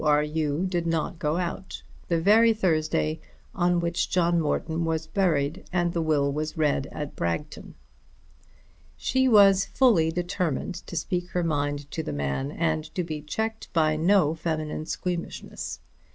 R. U. did not go out; the very Thursday on which John Morton was buried and the will was read at Bragton. She was fully determined to speak her mind to the man and to be checked by no feminine squeamishness.